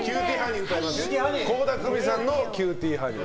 倖田來未さんの「キューティーハニー」。